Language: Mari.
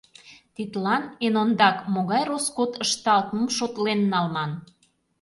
Тидлан, эн ондак, могай роскот ышталтмым шотлен налман.